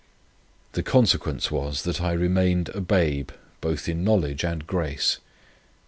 The consequence was, that I remained a babe, both in knowledge and grace.